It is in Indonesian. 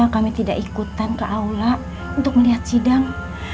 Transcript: kami tidak ikutan ke aula untuk melihat sidang